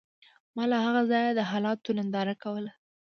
ما له هغه ځایه د حالاتو ننداره کوله